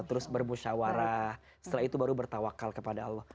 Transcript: terus bermusyawarah setelah itu baru bertawakal kepada allah